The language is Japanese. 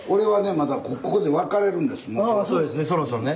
そうですねそろそろね。